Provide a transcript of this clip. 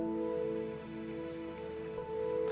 aku mau nungguin kamu